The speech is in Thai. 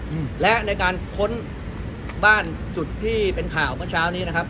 อืมและในการค้นบ้านจุดที่เป็นข่าวเมื่อเช้านี้นะครับ